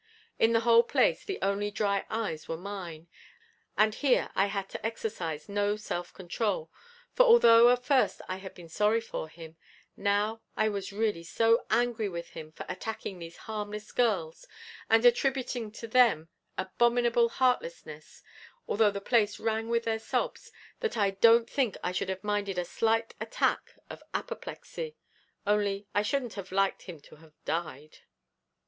In the whole place, the only dry eyes were mine, and here I had to exercise no self control; for although at first I had been sorry for him, now I was really so angry with him for attacking these harmless girls, and attributing to them abominable heartlessness, although the place rang with their sobs, that I don't think I should have minded a slight attack of apoplexy only I shouldn't have liked him to have died.